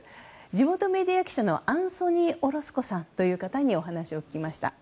地元メディア記者のアンソニー・オロスコさんという方にお話を聞きました。